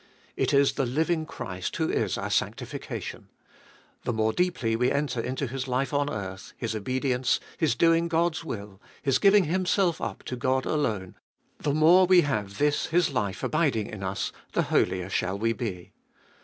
It is the living Christ who is our sanctification ; the more deeply we enter into His life on earth, His obedience, His doing God's will, His giving Himself up to God alone, the more we have this His life abiding in us, the holier shall we be.